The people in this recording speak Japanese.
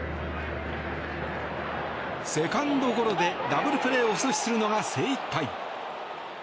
セカンドゴロでダブルプレーを阻止するのが精いっぱい。